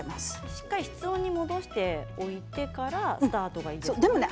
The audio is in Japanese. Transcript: しっかり室温に戻しておいてからスタートがいいですね。